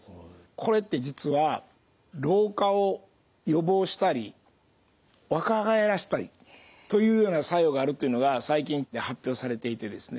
これって実は老化を予防したり若返らしたりというような作用があるというのが最近発表されていてですね